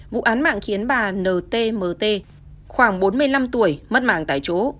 vụ án mạng khiến bà ntmt khoảng bốn mươi năm tuổi mất mạng tại chỗ